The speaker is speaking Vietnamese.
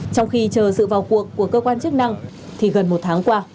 trong khi chờ sự vào cuộc của cơ quan chức năng thì gần một tháng qua